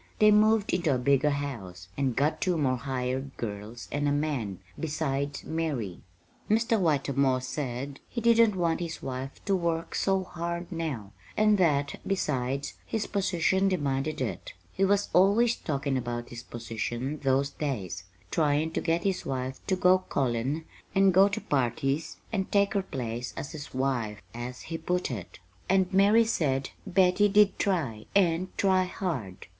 They moved into a bigger house, and got two more hired girls and a man, besides Mary. Mr. Whitermore said he didn't want his wife to work so hard now, and that, besides, his position demanded it. He was always talkin' about his position those days, tryin' to get his wife to go callin' and go to parties and take her place as his wife, as he put it. "And Mary said Betty did try, and try hard.